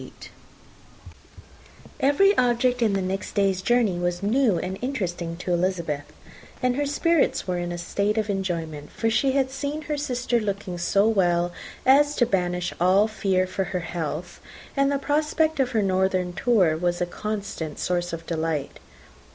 Every object in the next day's journey was new and interesting to Elizabeth; and her spirits were in a state of enjoyment; for she had seen her sister looking so well as to banish all fear for her health, and the prospect of her northern tour was a constant source of delight.